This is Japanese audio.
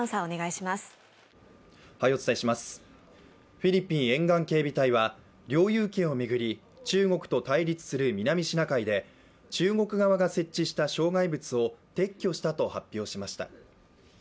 フィリピン沿岸警備隊は領有権を巡り中国と対立する南シナ海で中国側が設置した障害物を撤去したと発表しました。